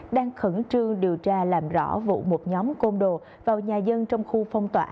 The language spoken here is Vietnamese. đang khẩn trương điều tra làm rõ vụ một nhóm côn đồ vào nhà dân trong khu phong tỏa